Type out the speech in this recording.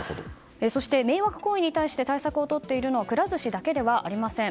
そして、迷惑行為に対して対策をとっているのはくら寿司だけではありません。